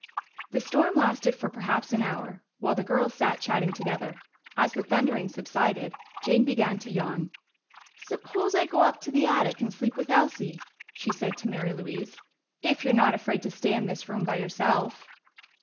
The storm lasted for perhaps an hour, while the girls sat chatting together. As the thundering subsided, Jane began to yawn. "Suppose I go up to the attic and sleep with Elsie?" she said to Mary Louise, "if you're not afraid to stay in this room by yourself."